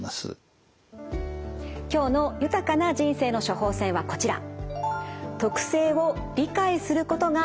今日の豊かな人生の処方せんはこちら。